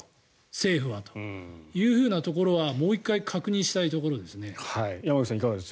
政府はというところはもう１回確認したいです。